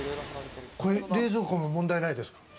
冷蔵庫も問題ないですか？